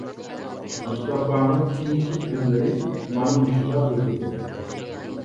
مۇستاپانىڭ كېيىنكى كۈنلىرى مانا مۇشۇنداق ئۆتىدۇ.